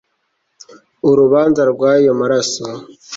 urubanza rw ayo maraso